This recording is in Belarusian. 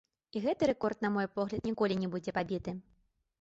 І гэты рэкорд, на мой погляд, ніколі не будзе пабіты.